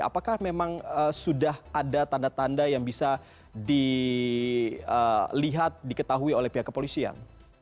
apakah memang sudah ada tanda tanda yang bisa dilihat diketahui oleh pihak kepolisian